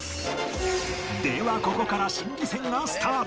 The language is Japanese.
ではここから心理戦がスタート